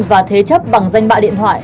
và thế chấp bằng danh bạ điện thoại